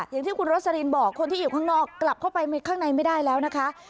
อย่างที่คุณโรสลินบอกคนที่อยู่ข้างนอกกลับเข้าไปข้างในไม่ได้แล้วนะคะ